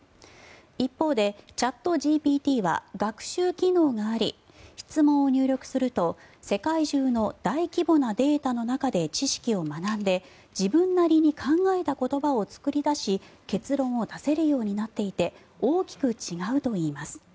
一方で、チャットＧＰＴは学習機能があり質問を入力すると世界中の大規模なデータの中で知識を学んで自分なりに考えた言葉を作り出し結論を出せるようになっていて大きく違うといいます。